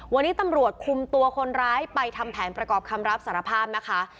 วันนี้ตำรวจคุมตัวคนร้ายไปทำแผนประกอบคำรับสารภาพนะคะ